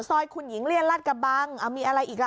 คุณหญิงเรียนราชกระบังมีอะไรอีกล่ะ